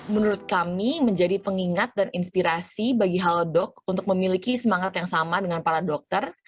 menurut kami menjadi pengingat dan inspirasi bagi halodoc untuk memiliki semangat yang sama dengan para dokter